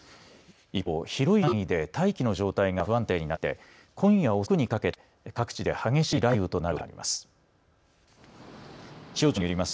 一方、広い範囲で大気の状態が不安定になっていて今夜遅くにかけて各地で激しい雷雨となるおそれがあります。